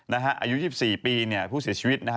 อายุ๒๔ปีเนี่ยผู้เสียชีวิตนะฮะ